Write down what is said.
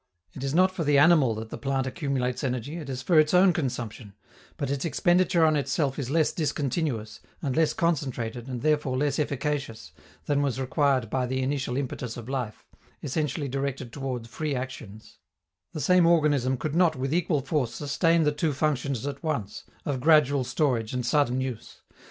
It is not for the animal that the plant accumulates energy, it is for its own consumption; but its expenditure on itself is less discontinuous, and less concentrated, and therefore less efficacious, than was required by the initial impetus of life, essentially directed toward free actions: the same organism could not with equal force sustain the two functions at once, of gradual storage and sudden use.